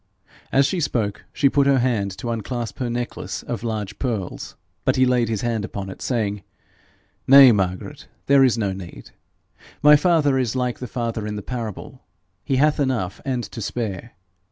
As she spoke, she put up her hand to unclasp her necklace of large pearls, but he laid his hand upon it, saying, 'Nay, Margaret, there is no need. My father is like the father in the parable: he hath enough and to spare.